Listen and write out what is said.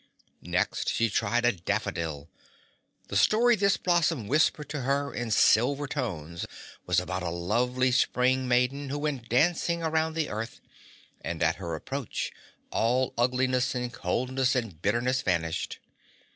Next she tried a daffodil. The story this blossom whispered to her in silver tones was about a lovely Spring Maiden who went dancing around the earth, and at her approach all ugliness and coldness and bitterness vanished.